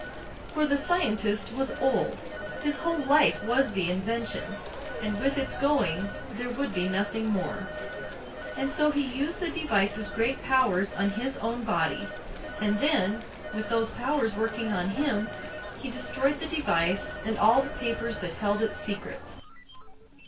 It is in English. For the scientist was old, his whole life was the invention, and with its going there would be nothing more. And so he used the device's great powers on his own body; and then, with those powers working on him, he destroyed the device and all the papers that held its secrets.